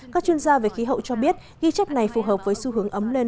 các chuyên gia về khí hậu cho biết ghi chép này phù hợp với xu hướng ấm lên